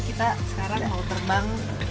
kita sekarang mau terbang